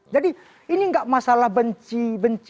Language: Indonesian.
jadi ini tidak masalah benci benci